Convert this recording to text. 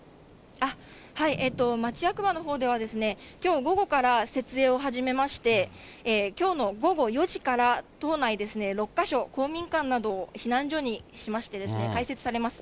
町役場のほうでは、きょう午後から設営を始めまして、きょうの午後４時から、島内６か所、公民館などを避難所にしまして、開設されます。